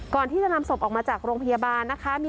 ก่อนที่จะนำศพออกมาจากโรงพยาบาลนะคะ